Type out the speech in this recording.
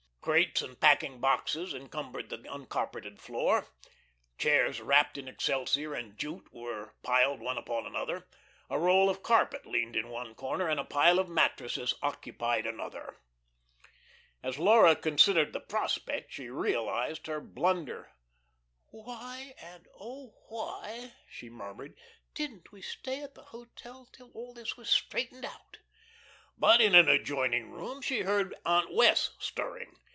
Crates and packing boxes encumbered the uncarpeted floor; chairs wrapped in excelsior and jute were piled one upon another; a roll of carpet leaned in one corner and a pile of mattresses occupied another. As Laura considered the prospect she realised her blunder. "Why, and oh, why," she murmured, "didn't we stay at the hotel till all this was straightened out?" But in an adjoining room she heard Aunt Wess' stirring.